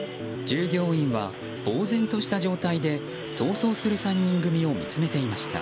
従業員はぼうぜんとした状態で逃走する３人組を見つめていました。